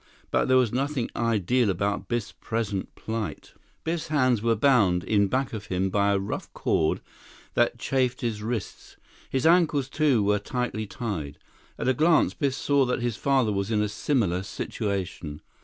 But there was nothing ideal about Biff's present plight. Biff's hands were bound in back of him by a rough cord that chafed his wrists. His ankles, too, were tightly tied. At a glance, Biff saw that his father was in a similar situation.